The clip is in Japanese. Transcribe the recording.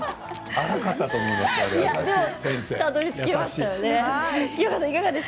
荒かったと思います。